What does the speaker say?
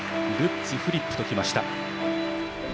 ルッツフリップときました。